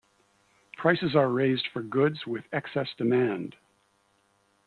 Prices are raised for goods with excess demand.